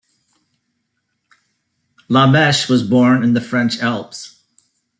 Lameche was born in the French Alps.